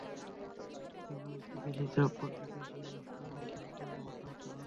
মেমোরিতে বেশি চাপ পড়লে, বেশি অ্যাপ নামানো থাকলে এমনটা হতে পারে।